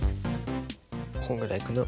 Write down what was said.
こんぐらいかな？